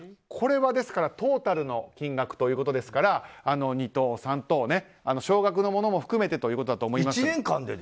これはトータルの金額ということですから２等３等、少額のものも含めてということだと思います。